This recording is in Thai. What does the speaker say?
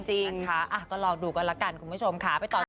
เออจริงค่ะก็ลองดูกันแล้วกันคุณผู้ชมค่ะ